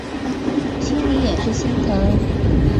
心里也是心疼